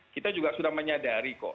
kita juga sudah menyadari kok